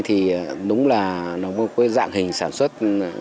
thì đúng là nó có dạng hình sản xuất